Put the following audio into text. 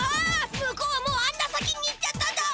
向こうはもうあんな先に行っちゃっただ！